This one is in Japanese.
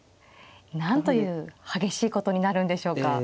なんという激しいことになるんでしょうか。